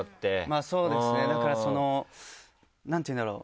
そうですねだからその何ていうんだろう？